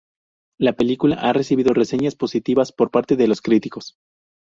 La película ha recibido reseñas positivas por parte de los críticos.